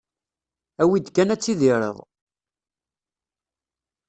Awi-d kan ad tidireḍ.